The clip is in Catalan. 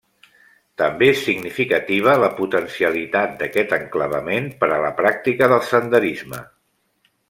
També és significativa la potencialitat d'aquest enclavament per a la pràctica del senderisme.